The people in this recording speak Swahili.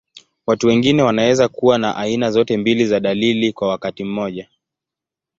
Watu wengine wanaweza kuwa na aina zote mbili za dalili kwa wakati mmoja.